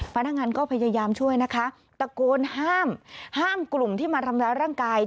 พนักงานก็พยายามช่วยนะคะตะโกนห้ามห้ามกลุ่มที่มาทำร้ายร่างกาย